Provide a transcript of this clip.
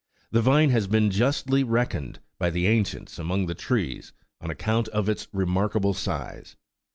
The vine has been justly reckoned11 by the ancients among the trees, on account of its remarkable size.